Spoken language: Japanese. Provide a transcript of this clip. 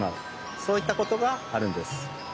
そういったことがあるんです。